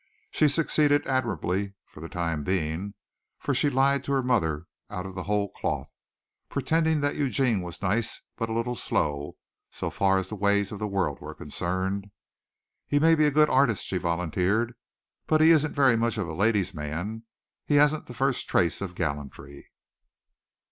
She succeeded admirably for the time being, for she lied to her mother out of the whole cloth, pretending that Eugene was nice but a little slow so far as the ways of the world were concerned. "He may be a good artist," she volunteered, "but he isn't very much of a ladies' man. He hasn't the first trace of gallantry."